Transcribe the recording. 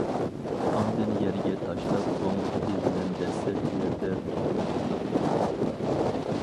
ئاندىن يەرگە تاشلاپ، ئوڭ پۇتى بىلەن دەسسەپ يەردە توختىتىپتۇ.